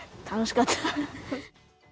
楽しかった。